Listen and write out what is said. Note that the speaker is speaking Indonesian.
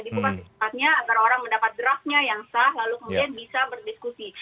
dibuka secepatnya agar orang mendapat draftnya yang sah lalu kemudian bisa berdiskusi